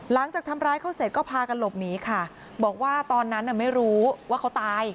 หลังจากทำร้ายเขาเสร็จก็พากันหลบหนีค่ะบอกว่าตอนนั้นน่ะไม่รู้ว่าเขาตาย